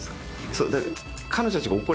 そう。